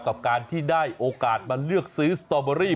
กับการที่ได้โอกาสมาเลือกซื้อสตอเบอรี่